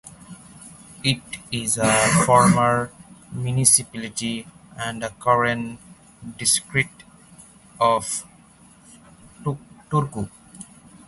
It is a former municipality and a current district of Turku.